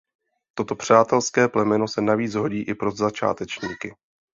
Toto přátelské plemeno se navíc hodí i pro začátečníky.